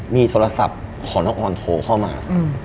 มีโทรศัพท์ของน้องออนโทรเข้ามา